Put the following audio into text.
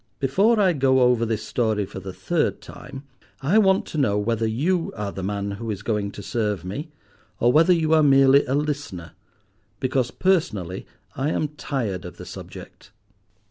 Before I go over this story for the third time, I want to know whether you are the man who is going to serve me, or whether you are merely a listener, because personally I am tired of the subject?